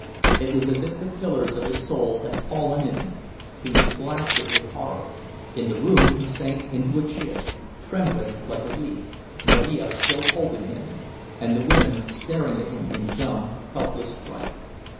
It was as if the pillars of his soul had fallen in—he was blasted with horror. In the room he sank into a chair, trembling like a leaf, Marija still holding him, and the women staring at him in dumb, helpless fright.